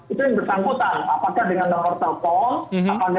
itu yang bersangkutan apakah dengan nomor telepon